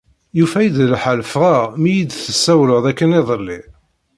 Yufa-yi-d lḥal ffɣeɣ mi yi-d-tessawleḍ akken iḍelli.